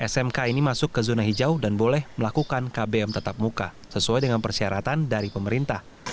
smk ini masuk ke zona hijau dan boleh melakukan kbm tetap muka sesuai dengan persyaratan dari pemerintah